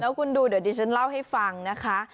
คุณดูเดี๋ยวดิฉันเล่าให้ฟังนะคะ